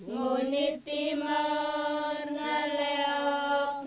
munir tiang menatuhi narasi adatku